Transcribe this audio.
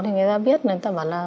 người ta biết người ta bảo là